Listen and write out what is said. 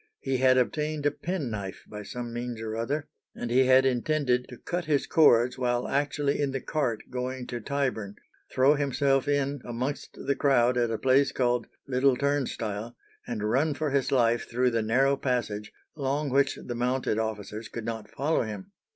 He had obtained a penknife by some means or other, and he had intended to cut his cords while actually in the cart going to Tyburn, throw himself in amongst the crowd at a place called Little Turnstile, and run for his life through the narrow passage, along which the mounted officers could not follow him.